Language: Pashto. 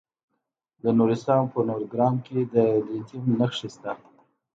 د نورستان په نورګرام کې د لیتیم نښې شته.